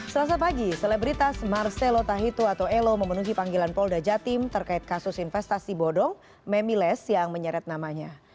selasa pagi selebritas marcelo tahitu atau elo memenuhi panggilan polda jatim terkait kasus investasi bodong memiles yang menyeret namanya